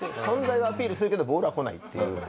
存在はアピールするけどボールは来ないっていう。